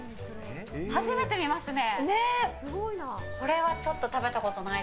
初めて見ますね。